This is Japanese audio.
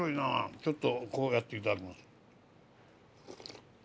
ちょっとこうやって頂きます。